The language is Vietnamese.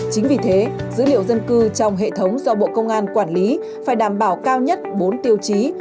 chính vì thế dữ liệu dân cư trong hệ thống do bộ công an quản lý phải đảm bảo cao nhất bốn tiêu chí